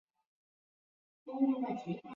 突厥人是欧亚大陆民族的主要成份之一。